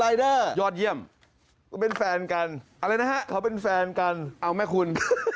ยอดเยี่ยมเป็นแฟนกันอะไรนะฮะเขาเป็นแฟนกันเอาแม่คุณ